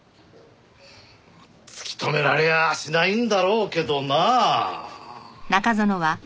突き止められやしないんだろうけどな。